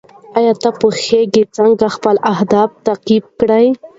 ایا ته پوهېږې څنګه خپل اهداف تعقیب کړې؟